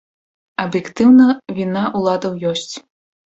Аб'ектыўна, віна ўладаў ёсць.